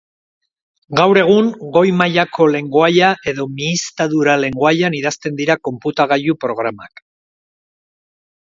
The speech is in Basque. Gaur egun, goi-mailako lengoaia edo mihiztadura-lengoaian idazten dira konputagailu-programak.